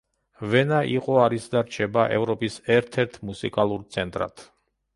ვენა იყო არის და რჩება ევროპის ერთ-ერთ მუსიკალურ ცენტრად.